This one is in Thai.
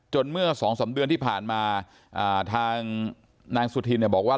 เมื่อสองสามเดือนที่ผ่านมาทางนางสุธินเนี่ยบอกว่า